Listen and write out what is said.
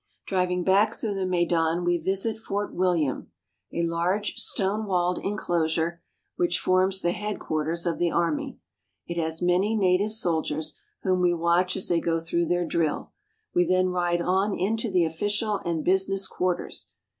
Driving back through the Maidan we visit Fort William, a large stone walled inclosure which forms the headquarters of the army. It has many native soldiers, whom we watch as they go through their drill. We then ride on into the oflficial and business quarters.